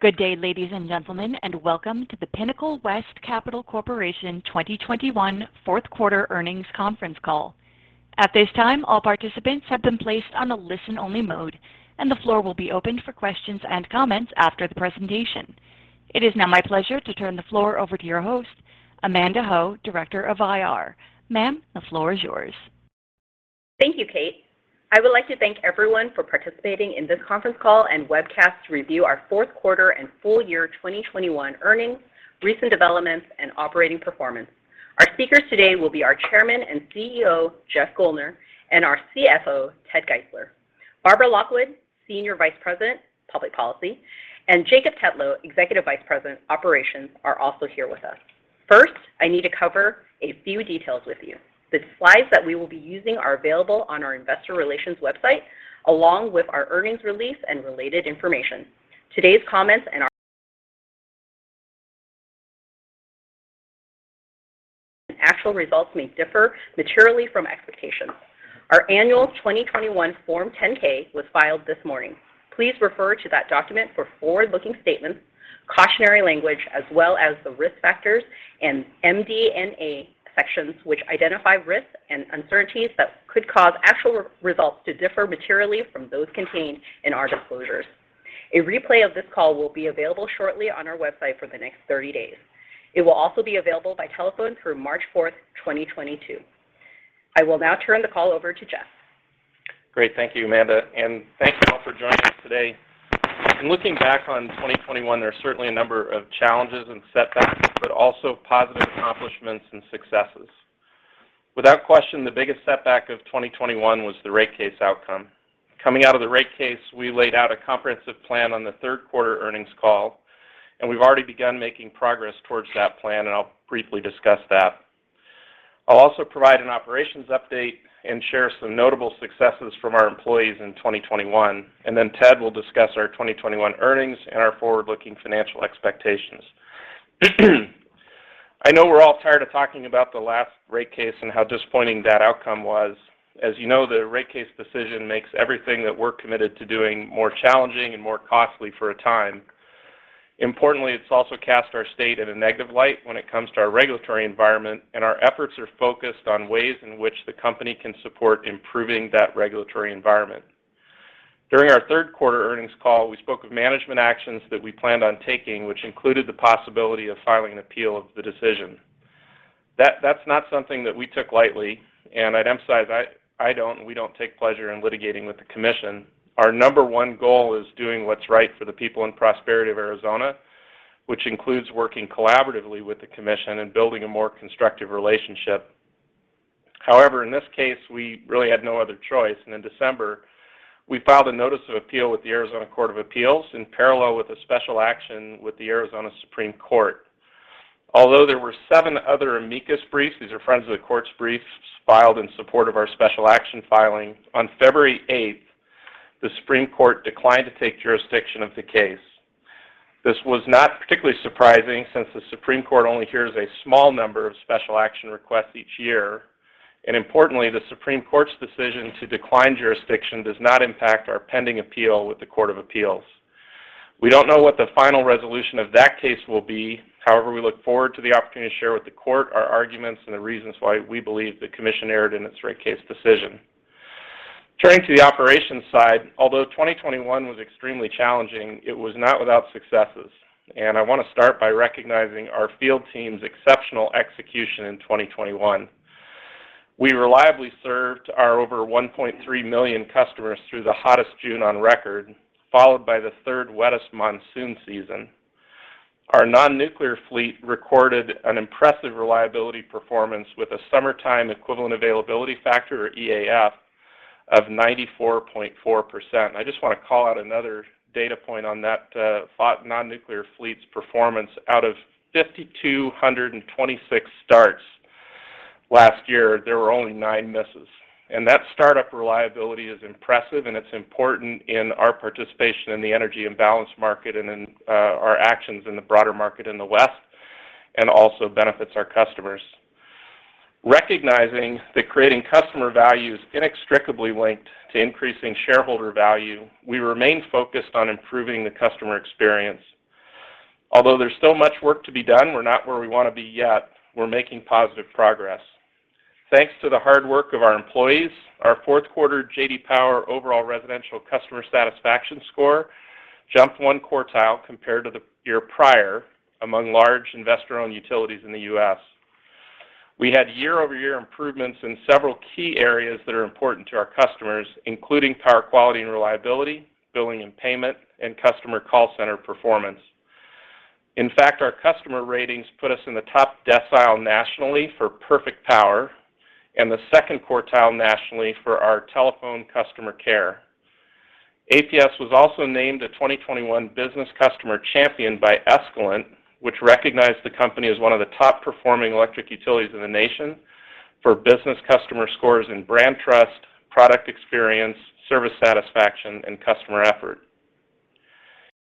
Good day, ladies and gentlemen, and welcome to the Pinnacle West Capital Corporation 2021 fourth quarter earnings conference call. At this time, all participants have been placed on a listen-only mode, and the floor will be opened for questions and comments after the presentation. It is now my pleasure to turn the floor over to your host, Amanda Ho, Director of IR. Ma'am, the floor is yours. Thank you, Kate. I would like to thank everyone for participating in this conference call and webcast to review our fourth quarter and full year 2021 earnings, recent developments and operating performance. Our speakers today will be our Chairman and CEO, Jeff Guldner, and our CFO, Ted Geisler. Barbara Lockwood, Senior Vice President, Public Policy, and Jacob Tetlow, Executive Vice President, Operations, are also here with us. First, I need to cover a few details with you. The slides that we will be using are available on our investor relations website, along with our earnings release and related information. Today's comments. Actual results may differ materially from expectations. Our annual 2021 Form 10-K was filed this morning. Please refer to that document for forward-looking statements, cautionary language, as well as the risk factors and MD&A sections, which identify risks and uncertainties that could cause actual results to differ materially from those contained in our disclosures. A replay of this call will be available shortly on our website for the next 30 days. It will also be available by telephone through March 4th, 2022. I will now turn the call over to Jeff. Great. Thank you, Amanda, and thank you all for joining us today. In looking back on 2021, there are certainly a number of challenges and setbacks, but also positive accomplishments and successes. Without question, the biggest setback of 2021 was the rate case outcome. Coming out of the rate case, we laid out a comprehensive plan on the third quarter earnings call, and we've already begun making progress towards that plan, and I'll briefly discuss that. I'll also provide an operations update and share some notable successes from our employees in 2021, and then Ted will discuss our 2021 earnings and our forward-looking financial expectations. I know we're all tired of talking about the last rate case and how disappointing that outcome was. As you know, the rate case decision makes everything that we're committed to doing more challenging and more costly for a time. Importantly, it's also cast our state in a negative light when it comes to our regulatory environment and our efforts are focused on ways in which the company can support improving that regulatory environment. During our third quarter earnings call, we spoke of management actions that we planned on taking, which included the possibility of filing an appeal of the decision. That's not something that we took lightly, and I'd emphasize, I don't and we don't take pleasure in litigating with the commission. Our number one goal is doing what's right for the people and prosperity of Arizona, which includes working collaboratively with the commission and building a more constructive relationship. However, in this case, we really had no other choice, and in December, we filed a notice of appeal with the Arizona Court of Appeals in parallel with a special action with the Arizona Supreme Court. Although there were seven other amicus briefs, these are friends of the court's briefs filed in support of our special action filing. On February 8th, the Supreme Court declined to take jurisdiction of the case. This was not particularly surprising since the Supreme Court only hears a small number of special action requests each year. Importantly, the Supreme Court's decision to decline jurisdiction does not impact our pending appeal with the Court of Appeals. We don't know what the final resolution of that case will be. However, we look forward to the opportunity to share with the Court our arguments and the reasons why we believe the commission erred in its rate case decision. Turning to the operations side, although 2021 was extremely challenging, it was not without successes. I want to start by recognizing our field team's exceptional execution in 2021. We reliably served our over 1.3 million customers through the hottest June on record, followed by the third wettest monsoon season. Our non-nuclear fleet recorded an impressive reliability performance with a summertime equivalent availability factor or EAF of 94.4%. I just want to call out another data point on that, non-nuclear fleet's performance. Out of 5,226 starts last year, there were only nine misses. That startup reliability is impressive, and it's important in our participation in the Energy Imbalance Market and in our actions in the broader market in the West and also benefits our customers. Recognizing that creating customer value is inextricably linked to increasing shareholder value, we remain focused on improving the customer experience. Although there's still much work to be done, we're not where we want to be yet. We're making positive progress. Thanks to the hard work of our employees, our fourth quarter J.D. Power overall residential customer satisfaction score jumped one quartile compared to the year prior among large investor-owned utilities in the U.S. We had year-over-year improvements in several key areas that are important to our customers, including power quality and reliability, billing and payment, and customer call center performance. In fact, our customer ratings put us in the top decile nationally for perfect power and the second quartile nationally for our telephone customer care. APS was also named a 2021 Business Customer Champion by Escalent, which recognized the company as one of the top performing electric utilities in the nation for business customer scores and brand trust, product experience, service satisfaction and customer effort.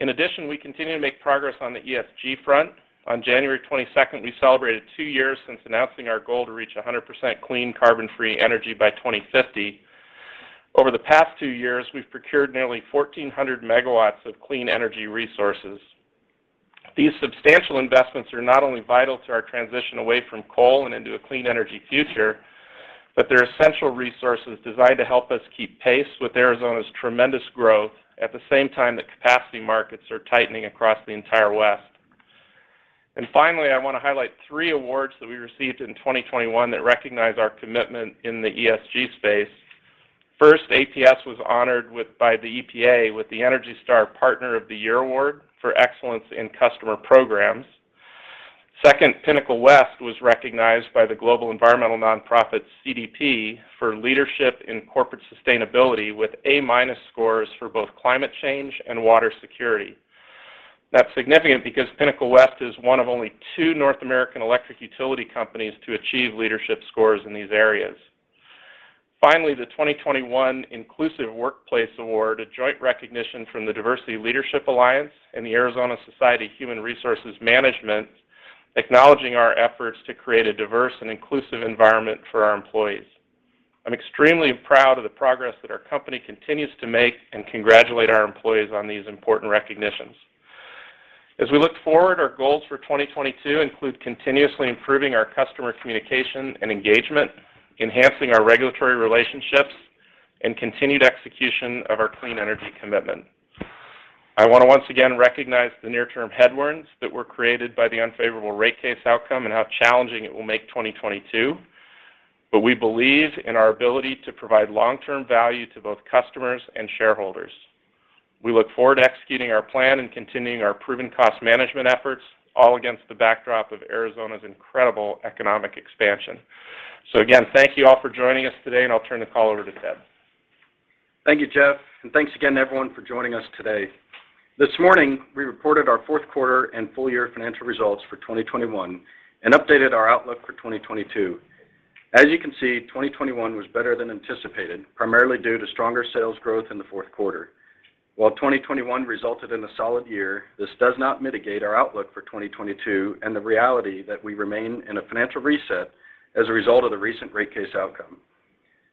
In addition, we continue to make progress on the ESG front. On January 22, we celebrated two years since announcing our goal to reach 100% clean carbon-free energy by 2050. Over the past two years, we've procured nearly 1,400 MW of clean energy resources. These substantial investments are not only vital to our transition away from coal and into a clean energy future, but they're essential resources designed to help us keep pace with Arizona's tremendous growth at the same time that capacity markets are tightening across the entire West. Finally, I want to highlight three awards that we received in 2021 that recognize our commitment in the ESG space. First, APS was honored by the EPA with the ENERGY STAR Partner of the Year Award for excellence in customer programs. Second, Pinnacle West was recognized by the global environmental nonprofit CDP for leadership in corporate sustainability with A-minus scores for both climate change and water security. That's significant because Pinnacle West is one of only two North American electric utility companies to achieve leadership scores in these areas. Finally, the 2021 Inclusive Workplace Award, a joint recognition from the Diversity Leadership Alliance and the Arizona Society for Human Resource Management, acknowledging our efforts to create a diverse and inclusive environment for our employees. I'm extremely proud of the progress that our company continues to make, and congratulate our employees on these important recognitions. As we look forward, our goals for 2022 include continuously improving our customer communication and engagement, enhancing our regulatory relationships, and continued execution of our clean energy commitment. I want to once again recognize the near-term headwinds that were created by the unfavorable rate case outcome and how challenging it will make 2022, but we believe in our ability to provide long-term value to both customers and shareholders. We look forward to executing our plan and continuing our proven cost management efforts, all against the backdrop of Arizona's incredible economic expansion. Again, thank you all for joining us today, and I'll turn the call over to Ted. Thank you, Jeff, and thanks again everyone for joining us today. This morning, we reported our fourth quarter and full year financial results for 2021 and updated our outlook for 2022. As you can see, 2021 was better than anticipated, primarily due to stronger sales growth in the fourth quarter. While 2021 resulted in a solid year, this does not mitigate our outlook for 2022 and the reality that we remain in a financial reset as a result of the recent rate case outcome.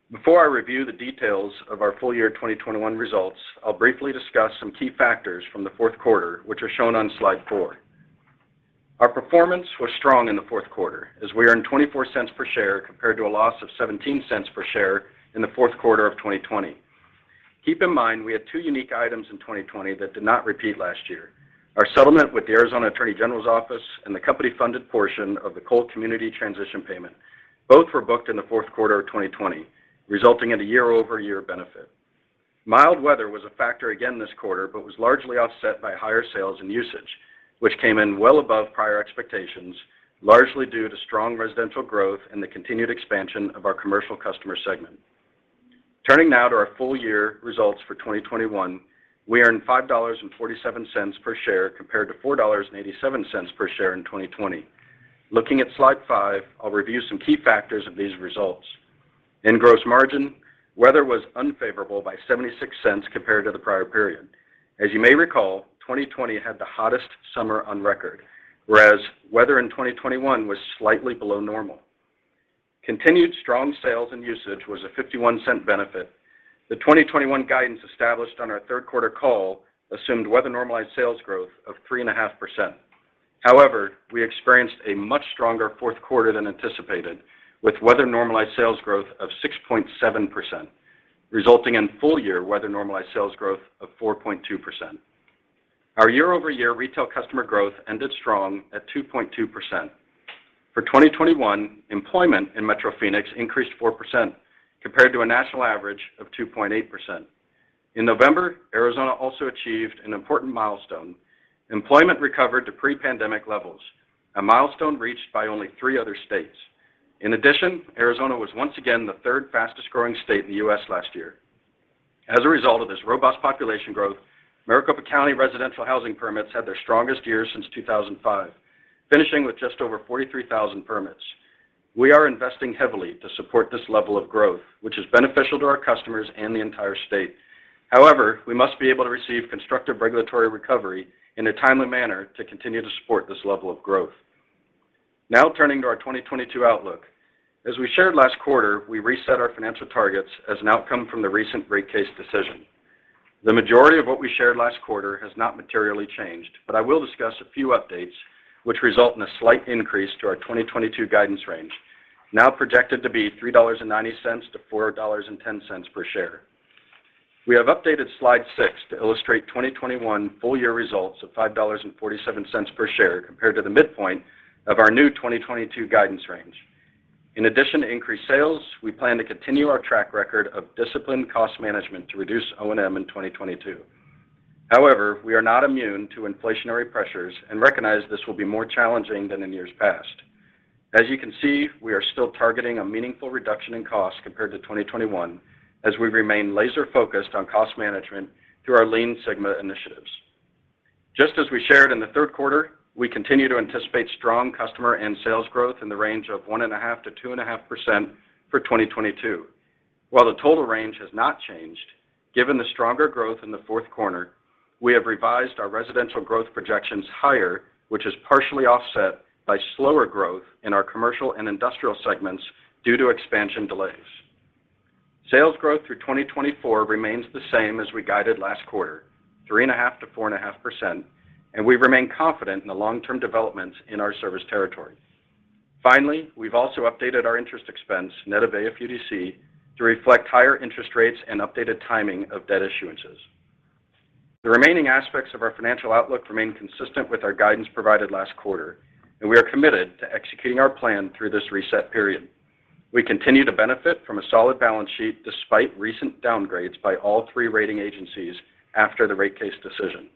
Before I review the details of our full year 2021 results, I'll briefly discuss some key factors from the fourth quarter, which are shown on slide four. Our performance was strong in the fourth quarter, as we earned $0.24 per share compared to a loss of $0.17 per share in the fourth quarter of 2020. Keep in mind, we had two unique items in 2020 that did not repeat last year. Our settlement with the Arizona Attorney General's office and the company-funded portion of the Coal Community Transition payment both were booked in the fourth quarter of 2020, resulting in a year-over-year benefit. Mild weather was a factor again this quarter, but was largely offset by higher sales and usage, which came in well above prior expectations, largely due to strong residential growth and the continued expansion of our commercial customer segment. Turning now to our full year results for 2021, we earned $5.47 per share compared to $4.87 per share in 2020. Looking at slide five, I'll review some key factors of these results. In gross margin, weather was unfavorable by $0.76 compared to the prior period. As you may recall, 2020 had the hottest summer on record, whereas weather in 2021 was slightly below normal. Continued strong sales and usage was a $0.51 benefit. The 2021 guidance established on our third quarter call assumed weather-normalized sales growth of 3.5%. However, we experienced a much stronger fourth quarter than anticipated, with weather-normalized sales growth of 6.7%, resulting in full-year weather-normalized sales growth of 4.2%. Our year-over-year retail customer growth ended strong at 2.2%. For 2021, employment in Metro Phoenix increased 4% compared to a national average of 2.8%. In November, Arizona also achieved an important milestone. Employment recovered to pre-pandemic levels, a milestone reached by only three other states. In addition, Arizona was once again the third fastest-growing state in the U.S. last year. As a result of this robust population growth, Maricopa County residential housing permits had their strongest year since 2005, finishing with just over 43,000 permits. We are investing heavily to support this level of growth, which is beneficial to our customers and the entire state. However, we must be able to receive constructive regulatory recovery in a timely manner to continue to support this level of growth. Now turning to our 2022 outlook. As we shared last quarter, we reset our financial targets as an outcome from the recent rate case decision. The majority of what we shared last quarter has not materially changed, but I will discuss a few updates which result in a slight increase to our 2022 guidance range, now projected to be $3.90-$4.10 per share. We have updated slide six to illustrate 2021 full year results of $5.47 per share compared to the midpoint of our new 2022 guidance range. In addition to increased sales, we plan to continue our track record of disciplined cost management to reduce O&M in 2022. However, we are not immune to inflationary pressures and recognize this will be more challenging than in years past. As you can see, we are still targeting a meaningful reduction in cost compared to 2021 as we remain laser focused on cost management through our Lean Six Sigma initiatives. Just as we shared in the third quarter, we continue to anticipate strong customer and sales growth in the range of 1.5%-2.5% for 2022. While the total range has not changed Given the stronger growth in the fourth quarter, we have revised our residential growth projections higher, which is partially offset by slower growth in our commercial and industrial segments due to expansion delays. Sales growth through 2024 remains the same as we guided last quarter, 3.5%-4.5%, and we remain confident in the long-term developments in our service territory. Finally, we've also updated our interest expense net of AFUDC to reflect higher interest rates and updated timing of debt issuances. The remaining aspects of our financial outlook remain consistent with our guidance provided last quarter, and we are committed to executing our plan through this reset period. We continue to benefit from a solid balance sheet despite recent downgrades by all three rating agencies after the rate case decision.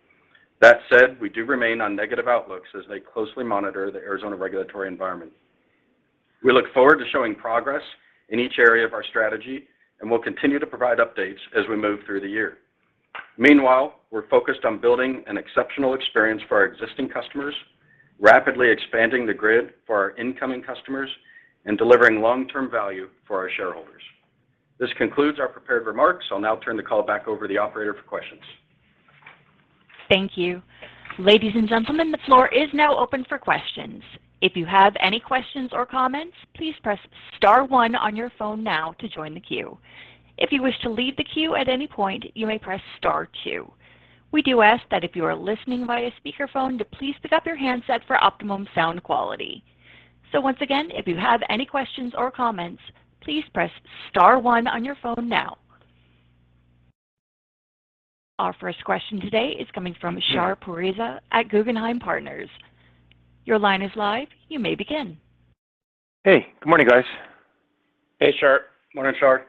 That said, we do remain on negative outlooks as they closely monitor the Arizona regulatory environment. We look forward to showing progress in each area of our strategy, and we'll continue to provide updates as we move through the year. Meanwhile, we're focused on building an exceptional experience for our existing customers, rapidly expanding the grid for our incoming customers, and delivering long-term value for our shareholders. This concludes our prepared remarks. I'll now turn the call back over to the operator for questions. Thank you. Ladies and gentlemen, the floor is now open for questions. If you have any questions or comments, please press star one on your phone now to join the queue. If you wish to leave the queue at any point, you may press star two. We do ask that if you are listening via speakerphone to please pick up your handset for optimum sound quality. Once again, if you have any questions or comments, please press star one on your phone now. Our first question today is coming from Shar Pourreza at Guggenheim Partners. Your line is live, you may begin. Hey, good morning, guys. Hey, Shar. Morning, Shar.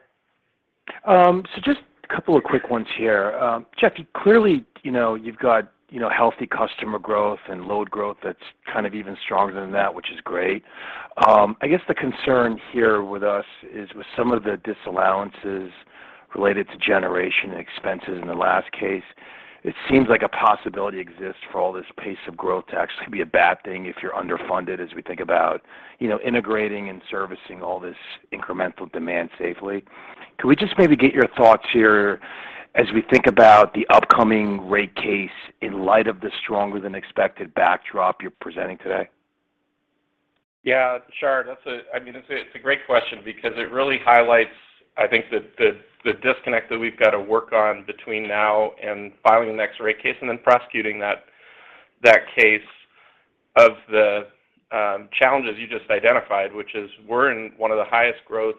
Just a couple of quick ones here. Jeff, clearly, you know, you've got, you know, healthy customer growth and load growth that's kind of even stronger than that, which is great. I guess the concern here with us is with some of the disallowances related to generation expenses in the last case. It seems like a possibility exists for all this pace of growth to actually be a bad thing if you're underfunded as we think about, you know, integrating and servicing all this incremental demand safely. Can we just maybe get your thoughts here as we think about the upcoming rate case in light of the stronger than expected backdrop you're presenting today? Yeah, Shar, that's—I mean, it's a great question because it really highlights, I think the disconnect that we've got to work on between now and filing the next rate case and then prosecuting that case of the challenges you just identified, which is we're in one of the highest growth,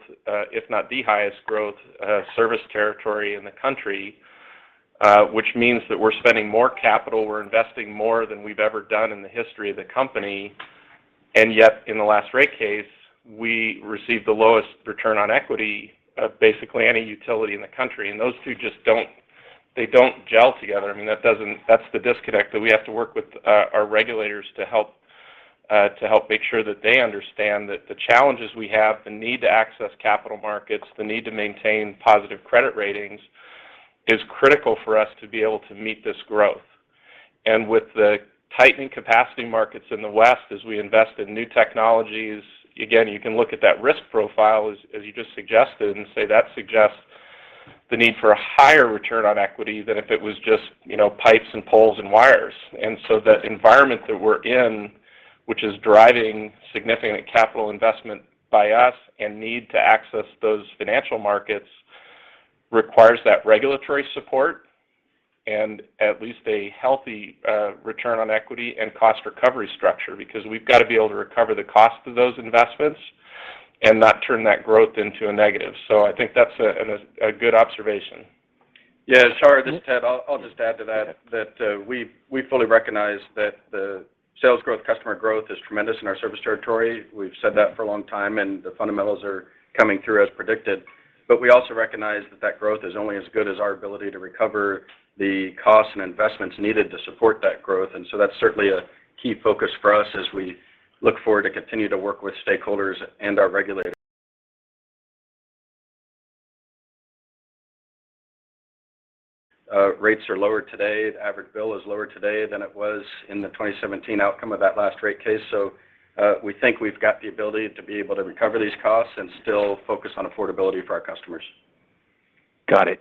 if not the highest growth, service territory in the country, which means that we're spending more capital, we're investing more than we've ever done in the history of the company. Yet, in the last rate case, we received the lowest return on equity of basically any utility in the country. Those two just don't, they don't gel together. I mean, that's the disconnect that we have to work with our regulators to help make sure that they understand that the challenges we have, the need to access capital markets, the need to maintain positive credit ratings is critical for us to be able to meet this growth. With the tightening capacity markets in the West as we invest in new technologies, again, you can look at that risk profile as you just suggested and say that suggests the need for a higher return on equity than if it was just, you know, pipes and poles and wires. The environment that we're in, which is driving significant capital investment by us and need to access those financial markets requires that regulatory support and at least a healthy, return on equity and cost recovery structure because we've got to be able to recover the cost of those investments and not turn that growth into a negative. I think that's a good observation. Yeah, Shar, this is Ted. I'll just add to that we fully recognize that the sales growth, customer growth is tremendous in our service territory. We've said that for a long time, and the fundamentals are coming through as predicted. But we also recognize that that growth is only as good as our ability to recover the costs and investments needed to support that growth. And so that's certainly a key focus for us as we look forward to continue to work with stakeholders and our regulators. Rates are lower today. The average bill is lower today than it was in the 2017 outcome of that last rate case. We think we've got the ability to be able to recover these costs and still focus on affordability for our customers. Got it.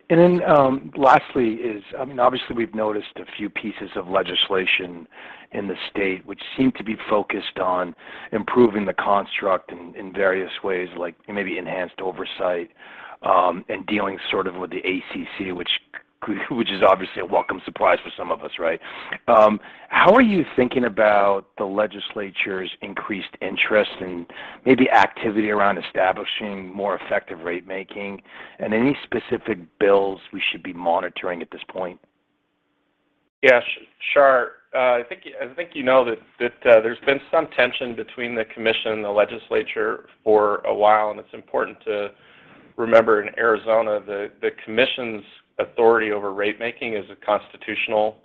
Lastly is, I mean, obviously we've noticed a few pieces of legislation in the state which seem to be focused on improving the construct in various ways, like maybe enhanced oversight, and dealing sort of with the ACC, which is obviously a welcome surprise for some of us, right? How are you thinking about the legislature's increased interest and maybe activity around establishing more effective rate making and any specific bills we should be monitoring at this point? Yeah, Shar, I think you know that there's been some tension between the commission and the legislature for a while, and it's important to remember in Arizona the commission's authority over rate making is a constitutional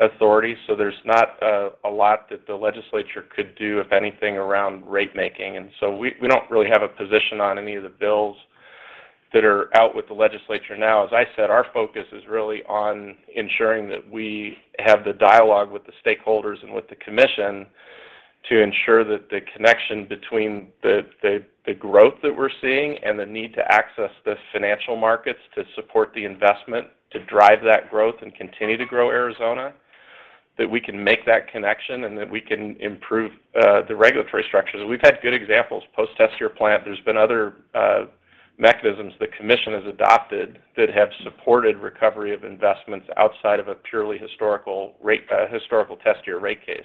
authority. There's not a lot that the legislature could do, if anything, around rate making. We don't really have a position on any of the bills that are out with the legislature now. As I said, our focus is really on ensuring that we have the dialogue with the stakeholders and with the commission to ensure that the connection between the growth that we're seeing and the need to access the financial markets to support the investment to drive that growth and continue to grow Arizona, that we can make that connection and that we can improve the regulatory structures. We've had good examples post-test year plant. There's been other mechanisms the commission has adopted that have supported recovery of investments outside of a purely historical rate, historical test year rate case.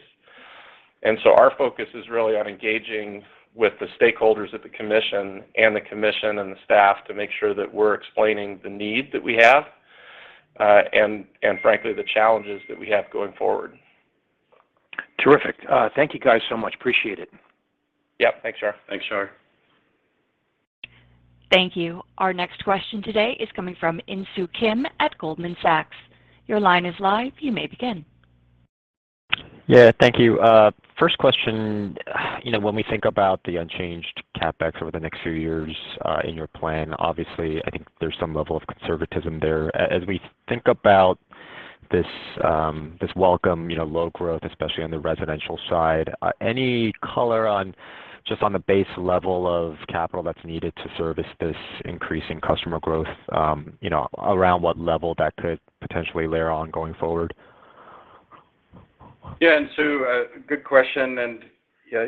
Our focus is really on engaging with the stakeholders at the commission and the staff to make sure that we're explaining the need that we have, and frankly, the challenges that we have going forward. Terrific. Thank you guys so much. Appreciate it. Yep. Thanks, Shar. Thanks, Shar. Thank you. Our next question today is coming from Insoo Kim at Goldman Sachs. Your line is live. You may begin. Yeah, thank you. First question. You know, when we think about the unchanged CapEx over the next few years in your plan, obviously, I think there's some level of conservatism there. As we think about this welcome, you know, low growth, especially on the residential side, any color on just on the base level of capital that's needed to service this increase in customer growth, you know, around what level that could potentially layer on going forward? Good question, and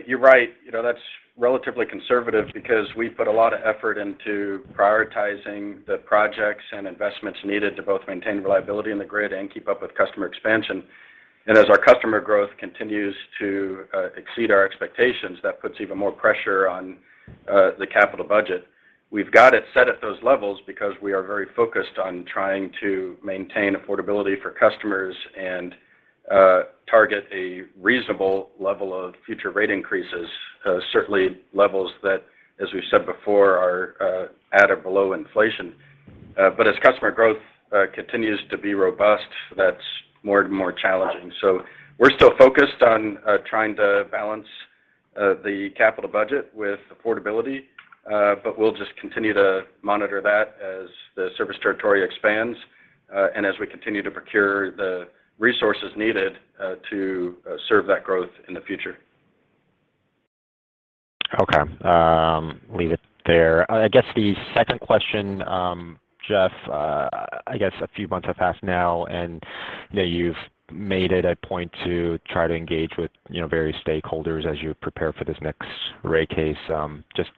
you're right. You know, that's relatively conservative because we put a lot of effort into prioritizing the projects and investments needed to both maintain reliability in the grid and keep up with customer expansion. As our customer growth continues to exceed our expectations, that puts even more pressure on the capital budget. We've got it set at those levels because we are very focused on trying to maintain affordability for customers and target a reasonable level of future rate increases, certainly levels that, as we've said before, are at or below inflation. As customer growth continues to be robust, that's more and more challenging. We're still focused on trying to balance the capital budget with affordability, but we'll just continue to monitor that as the service territory expands and as we continue to procure the resources needed to serve that growth in the future. Okay. Leave it there. I guess the second question, Jeff, I guess a few months have passed now, and, you know, you've made it a point to try to engage with, you know, various stakeholders as you prepare for this next rate case. Just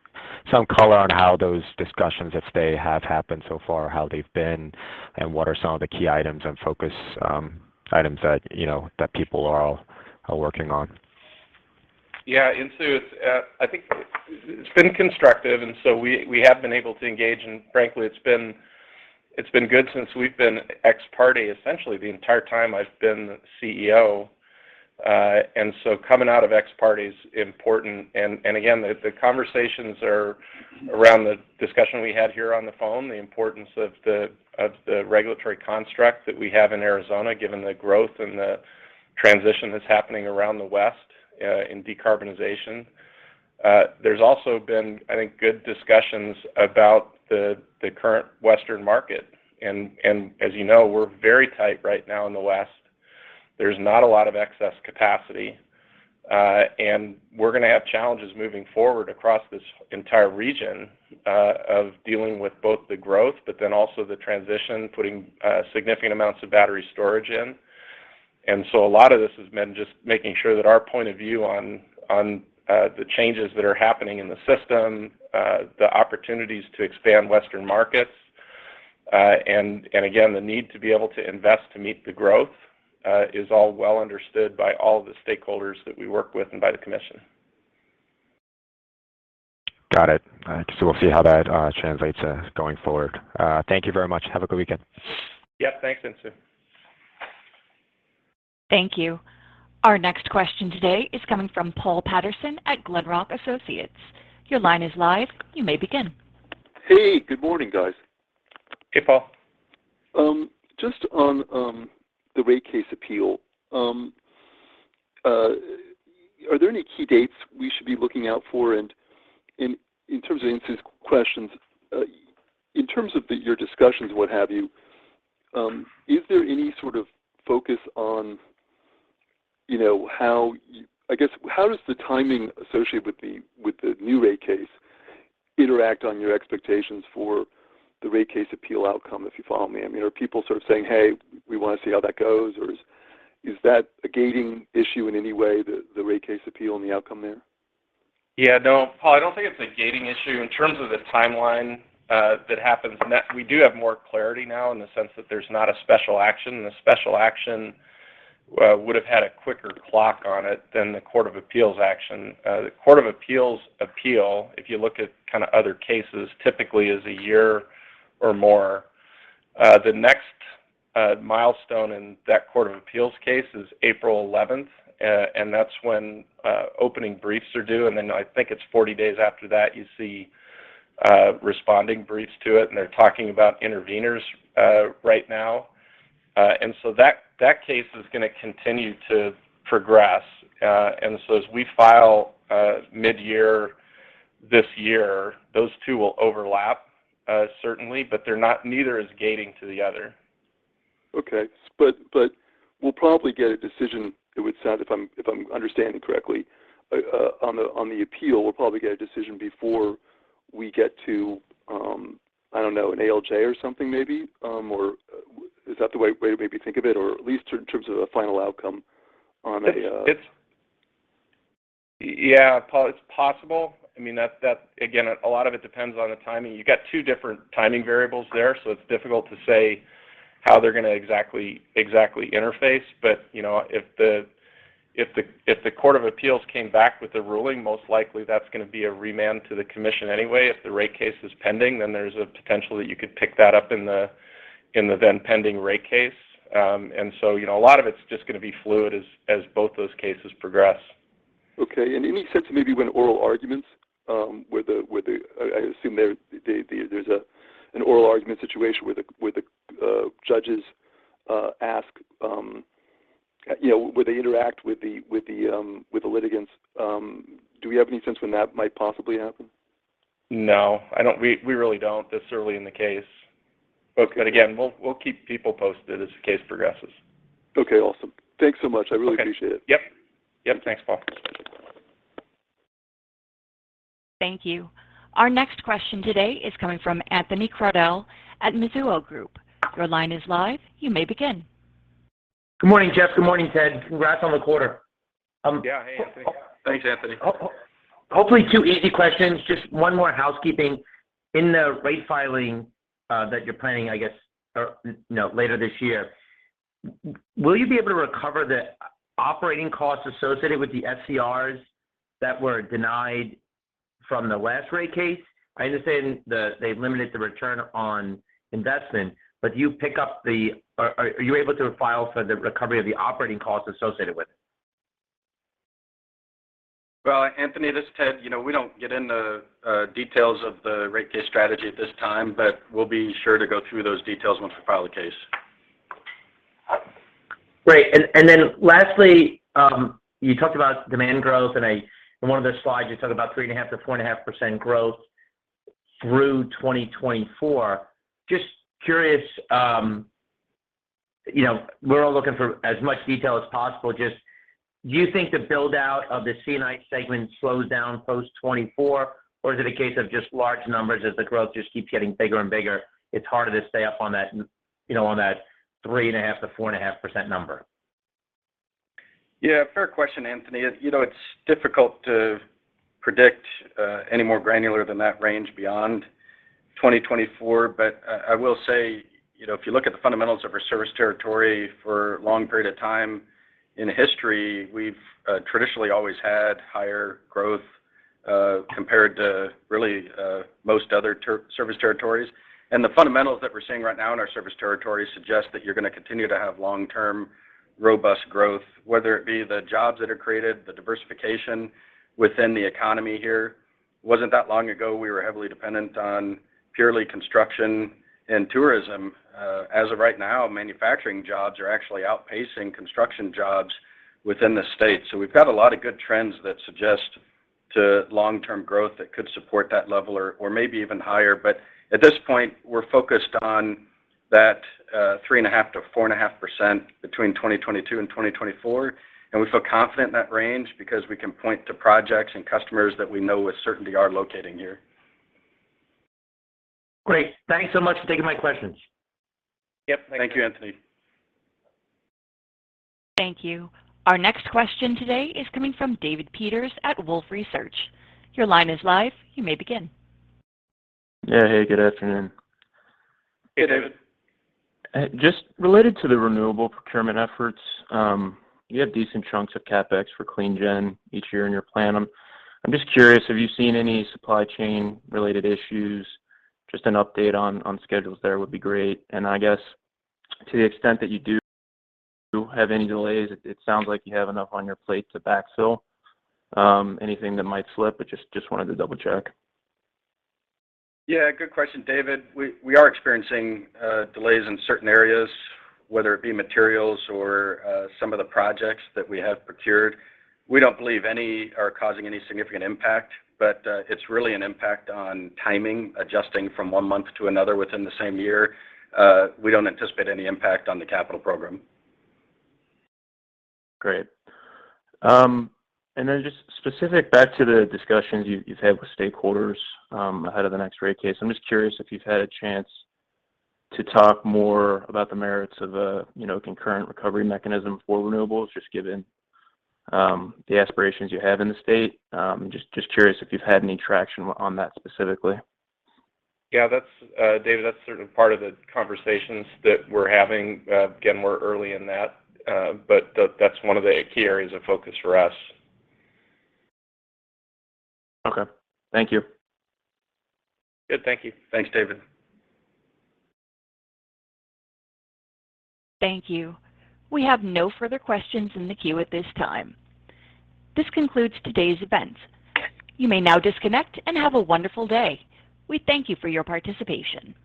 some color on how those discussions, if they have happened so far, how they've been, and what are some of the key items and focus, items that, you know, that people are working on. Yeah. Indeed, I think it's been constructive. We have been able to engage. Frankly, it's been good since we've been ex parte essentially the entire time I've been CEO. Coming out of ex parte is important. Again, the conversations are around the discussion we had here on the phone, the importance of the regulatory construct that we have in Arizona, given the growth and the transition that's happening around the West in decarbonization. There's also been, I think, good discussions about the current Western market. As you know, we're very tight right now in the West. There's not a lot of excess capacity, and we're going to have challenges moving forward across this entire region, of dealing with both the growth, but then also the transition, putting significant amounts of battery storage in. A lot of this has been just making sure that our point of view on the changes that are happening in the system, the opportunities to expand western markets, and again, the need to be able to invest to meet the growth, is all well understood by all the stakeholders that we work with and by the commission. Got it. I guess we'll see how that translates going forward. Thank you very much. Have a good weekend. Yep. Thanks, Insoo. Thank you. Our next question today is coming from Paul Patterson at Glenrock Associates. Your line is live. You may begin. Hey, good morning, guys. Hey, Paul. Just on the rate case appeal, are there any key dates we should be looking out for? In terms of Insoo's questions, in terms of your discussions, what have you, is there any sort of focus on, you know, I guess, how does the timing associated with the new rate case interact on your expectations for the rate case appeal outcome, if you follow me? I mean, are people sort of saying, "Hey, we want to see how that goes," or is that a gating issue in any way, the rate case appeal and the outcome there? Yeah, no, Paul. I don't think it's a gating issue. In terms of the timeline, that happens, and that we do have more clarity now in the sense that there's not a special action. The special action would have had a quicker clock on it than the Court of Appeals action. The Court of Appeals appeal, if you look at kind of other cases, typically is a year or more. The next milestone in that Court of Appeals case is April eleventh. That's when opening briefs are due. I think it's 40 days after that, you see responding briefs to it, and they're talking about intervenors right now. That case is going to continue to progress. As we file mid-year this year, those two will overlap certainly, but they're not, neither is gating to the other. Okay. We'll probably get a decision, it would sound, if I'm understanding correctly, on the appeal, we'll probably get a decision before we get to, I don't know, an ALJ or something maybe, or is that the way to maybe think of it or at least in terms of a final outcome on a, Yeah, it's possible. I mean, that's. Again, a lot of it depends on the timing. You got two different timing variables there, so it's difficult to say how they're gonna exactly interface. You know, if the Court of Appeals came back with the ruling, most likely that's gonna be a remand to the Commission anyway. If the rate case is pending, then there's a potential that you could pick that up in the then pending rate case. You know, a lot of it's just gonna be fluid as both those cases progress. Okay. Any sense maybe when oral arguments? I assume there's an oral argument situation where the judges ask. You know, where they interact with the litigants. Do we have any sense when that might possibly happen? No, I don't. We really don't this early in the case. Okay. Again, we'll keep people posted as the case progresses. Okay. Awesome. Thanks so much. I really appreciate it. Okay. Yep. Thanks, Paul. Thank you. Our next question today is coming from Anthony Crowdell at Mizuho Group. Your line is live. You may begin. Good morning, Jeff. Good morning, Ted. Congrats on the quarter. Yeah. Hey, Anthony. Thanks, Anthony. Hopefully two easy questions. Just one more housekeeping. In the rate filing that you're planning, I guess, you know, later this year, will you be able to recover the operating costs associated with the SCRs that were denied from the last rate case? I understand that they've limited the return on investment, but are you able to file for the recovery of the operating costs associated with it? Well, Anthony, this is Ted. You know, we don't get into details of the rate case strategy at this time, but we'll be sure to go through those details once we file the case. Great. Then lastly, you talked about demand growth. In one of those slides, you talked about 3.5%-4.5% growth through 2024. Just curious, you know, we're all looking for as much detail as possible. Just do you think the build-out of the C&I segment slows down post 2024 or is it a case of just large numbers as the growth just keeps getting bigger and bigger, it's harder to stay up on that, you know, on that 3.5%-4.5% number? Yeah, fair question, Anthony. You know, it's difficult to predict any more granular than that range beyond 2024. I will say, you know, if you look at the fundamentals of our service territory for a long period of time in history, we've traditionally always had higher growth compared to really most other service territories. The fundamentals that we're seeing right now in our service territory suggest that you're gonna continue to have long-term robust growth, whether it be the jobs that are created, the diversification within the economy here. Wasn't that long ago, we were heavily dependent on purely construction and tourism. As of right now, manufacturing jobs are actually outpacing construction jobs within the state. We've got a lot of good trends that suggest to long-term growth that could support that level or maybe even higher. At this point, we're focused on that, 3.5%-4.5% between 2022 and 2024. We feel confident in that range because we can point to projects and customers that we know with certainty are locating here. Great. Thanks so much for taking my questions. Yep. Thank you, Anthony. Thank you. Our next question today is coming from David Peters at Wolfe Research. Your line is live. You may begin. Yeah. Hey, good afternoon. Hey, David. Just related to the renewable procurement efforts, you have decent chunks of CapEx for clean gen each year in your plan. I'm just curious, have you seen any supply chain related issues? Just an update on schedules there would be great. I guess to the extent that you do have any delays, it sounds like you have enough on your plate to backfill anything that might slip. Just wanted to double-check. Yeah, good question, David. We are experiencing delays in certain areas, whether it be materials or some of the projects that we have procured. We don't believe any are causing any significant impact, but it's really an impact on timing, adjusting from one month to another within the same year. We don't anticipate any impact on the capital program. Great. Then just specific back to the discussions you've had with stakeholders ahead of the next rate case, I'm just curious if you've had a chance to talk more about the merits of a, you know, concurrent recovery mechanism for renewables, just given the aspirations you have in the state. Just curious if you've had any traction on that specifically? Yeah, that's, David, that's certainly part of the conversations that we're having. Again, we're early in that, but that's one of the key areas of focus for us. Okay. Thank you. Good. Thank you. Thanks, David. Thank you. We have no further questions in the queue at this time. This concludes today's event. You may now disconnect and have a wonderful day. We thank you for your participation.